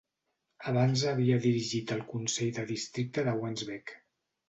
Abans havia dirigit el Consell de districte de Wansbeck.